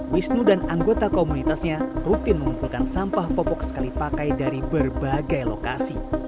wisnu dan anggota komunitasnya rutin mengumpulkan sampah popok sekali pakai dari berbagai lokasi